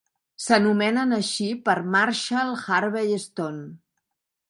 S'anomenen així per Marshall Harvey Stone.